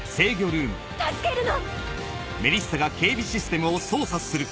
助けるの！